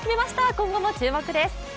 今後も注目です。